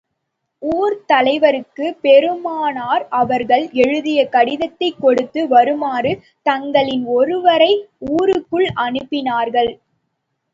ஊர்த் தலைவருக்குப் பெருமானார் அவர்கள் எழுதிய கடிதத்தைக் கொடுத்து வருமாறு தங்களில் ஒருவரை ஊருக்குள் அனுப்பினார்கள்.